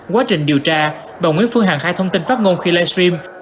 quá trình điều tra bà nguyễn phương hằng khai thông tin phát ngôn khi livestream